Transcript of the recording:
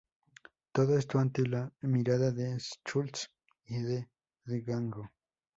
Todo esto ante la mirada de Schultz y de Django.